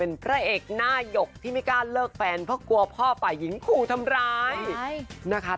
ส่วนประเด็นที่หลายคนก็เชียร์นะกับพี่บี้สุกรีดที่ไม่เคยออกรายการ